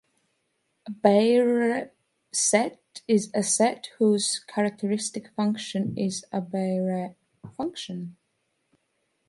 A Baire set is a set whose characteristic function is a Baire function.